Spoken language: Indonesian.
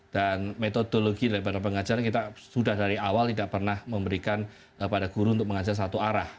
dan metodologi dari pengajaran kita sudah dari awal tidak pernah memberikan kepada guru untuk mengajar satu arah